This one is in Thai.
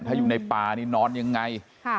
ถ้าอยู่ในป่านี่นอนยังไง